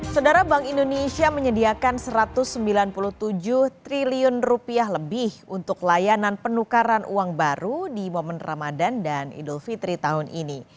sedara bank indonesia menyediakan rp satu ratus sembilan puluh tujuh triliun rupiah lebih untuk layanan penukaran uang baru di momen ramadan dan idul fitri tahun ini